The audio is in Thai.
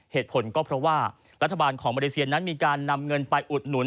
เหตุผลก็เพราะว่ารัฐบาลของมาเลเซียนั้นมีการนำเงินไปอุดหนุน